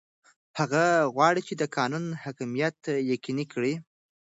هغه غواړي د قانون حاکمیت یقیني کړي.